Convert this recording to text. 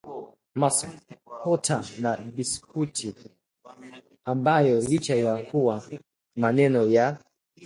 maskwota na biskuti ambayo licha ya kuwa maneno ya